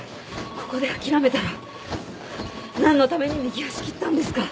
ここで諦めたら何のために右足切ったんですか。